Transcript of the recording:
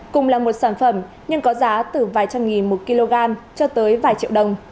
cùng là một sản phẩm nhưng có giá từ vài trăm nghìn một kg cho tới vài triệu đồng